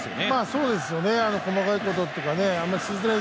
そうですよね。